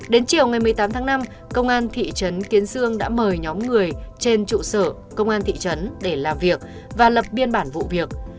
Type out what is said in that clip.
đến chiều ngày một mươi tám tháng năm công an thị trấn kiến sương đã mời nhóm người trên trụ sở công an thị trấn để làm việc và lập biên bản vụ việc